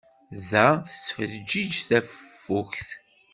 Da, tettfeǧǧiǧ tafukt.